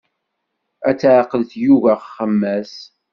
Ad teɛqel tyuga axemmas.